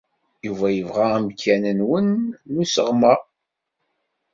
Yuba yebɣa amkan-nwen n usseɣmer.